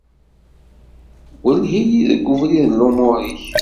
Welleh-iyi deg ubrid n lumuṛ-ik.